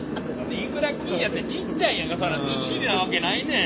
いくら金やてちっちゃいやんかそらずっしりなわけないねん！